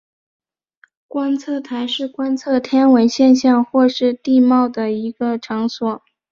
观测台是观测天文现象或是地貌的一个场所。